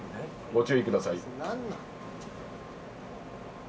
ご注意ください。